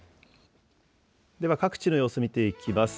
では各地の様子、見ていきます。